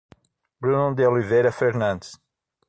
Bruno de Oliveira Fernandes